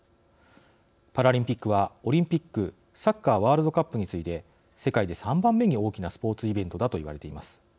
パラリンピックはオリンピックサッカーワールドカップに次いで世界で３番目に大きなスポーツイベントだと言われています。